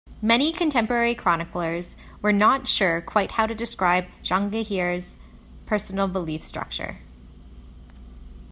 Many contemporary chroniclers were not sure quite how to describe Jahangir's personal belief structure.